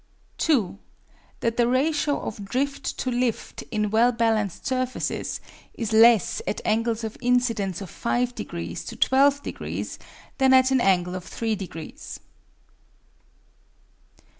2. That the ratio of drift to lift in well balanced surfaces is less at angles of incidence of five degrees to 12 degrees than at an angle of three degrees.